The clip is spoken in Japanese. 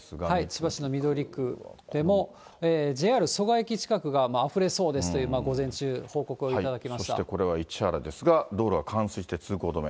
千葉市の緑区でも、ＪＲ蘇我駅近くがあふれそうですという、午前中、そしてこれは市原ですが、道路は冠水して通行止め。